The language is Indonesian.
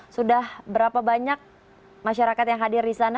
sudah berapa banyak masyarakat yang hadir di sana